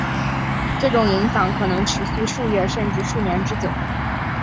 这种影响可能持续数月甚至数年之久。